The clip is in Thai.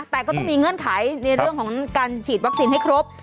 แต่ก็ต้องมีเงื่อนไขในเรื่องของการฉีดวัคซีนให้ครบ